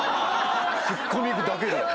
ツッコミだけで。